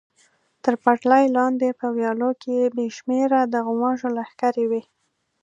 تر پټلۍ لاندې په ویالو کې بې شمېره د غوماشو لښکرې وې.